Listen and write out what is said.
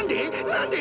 何で！？